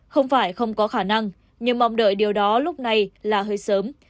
không phải không có khả năng nhưng mong đợi điều đó lúc này là hơi sớm